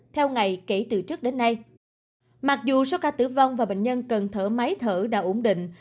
từ trước đến nay mặc dù số ca tử vong và bệnh nhân cần thở máy thở đã ổn định